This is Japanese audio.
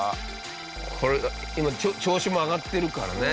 これ今調子も上がってるからね。